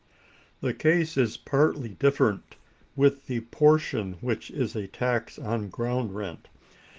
The case is partly different with the portion which is a tax on ground rent.